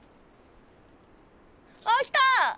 あっきた！